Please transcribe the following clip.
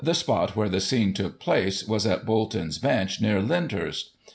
[1842 spot where the scene took place was at Bolton's Bench, near Lyndhurst.